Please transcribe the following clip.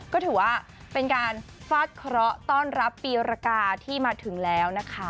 ก็ถือว่าเป็นการฟาดเคราะห์ต้อนรับปีรกาที่มาถึงแล้วนะคะ